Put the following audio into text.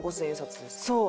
そう。